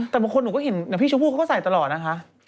แต่บางคนหนูก็เห็นแบบพี่ชูฟูเขาก็ใส่ตลอดนะฮะ